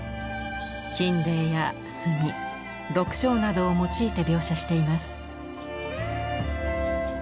金泥や墨緑青などを用いて描写しています。